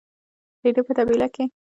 رېدي په طبیله کې خپل اس ته خواړه ورکول.